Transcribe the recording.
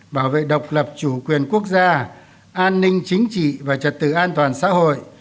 bảo vệ độc lập chủ quyền quốc gia an ninh chính trị và trật tự an toàn xã hội